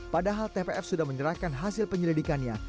padahal tpf sudah menyerahkan hasil penyelidikannya